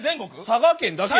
佐賀県だけや。